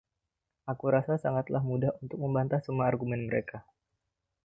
Aku rasa sangatlah mudah untuk membantah semua argumen mereka.